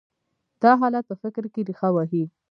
دا حالت په فکر کې رېښه وهي.